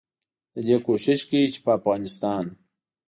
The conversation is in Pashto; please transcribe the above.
ددې کوشش کوي چې په افغانستان